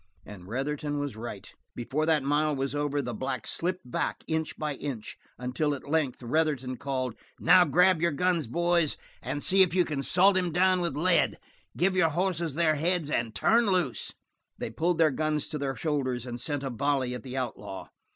And Retherton was right. Before that mile was over the black slipped back inch by inch, until at length Retherton called: "Now grab your guns boys and see if you can salt him down with lead. Give your hosses their heads and turn loose!" They pulled their guns to their shoulders and sent a volley at the outlaw.